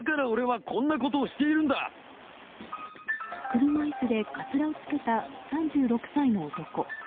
車いすでかつらを着けた３６歳の男。